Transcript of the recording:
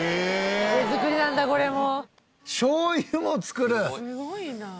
手作りなんだこれも。